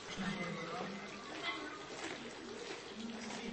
Zpočátku si měli hlavní role zahrát Miles Teller a Emma Watson.